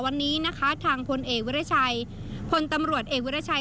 วันนี้นะคะทางพลเอกวิรัชัยพลตำรวจเอกวิรัชัย